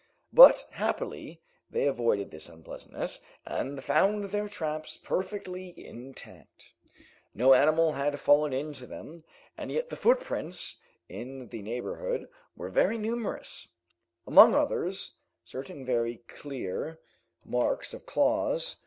But happily they avoided this unpleasantness, and found their traps perfectly intact. No animal had fallen into them, and yet the footprints in the neighborhood were very numerous, among others, certain very clear marks of claws.